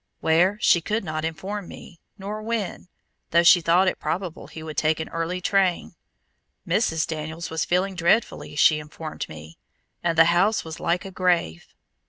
Where, she could not inform me, nor when, though she thought it probable he would take an early train. Mrs. Daniels was feeling dreadfully, she informed me; and the house was like a grave.